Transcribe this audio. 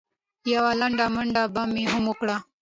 یوه لنډه منډه به مې هم وکړه.